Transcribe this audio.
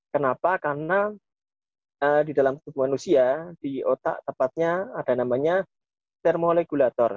kenapa karena di dalam tubuh manusia di otak tepatnya ada namanya thermolegulator